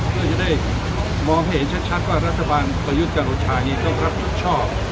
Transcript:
เพื่อจะได้มองให้เห็นชัดว่ารัฐบาลประยุทธ์จันโอชานี้ต้องรับผิดชอบ